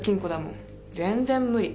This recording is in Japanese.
全然無理。